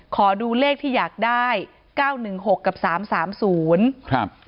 ขอดูเลขที่อยากได้เก้าหนึ่งหกกับสามสามศูนย์ครับ